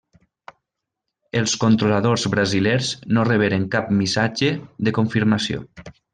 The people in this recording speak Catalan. Els controladors brasilers no reberen cap missatge de confirmació.